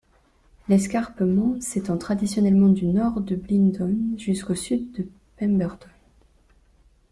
L'escarpement s'étend traditionnellement du nord de Bindoon jusqu'au sud de Pemberton.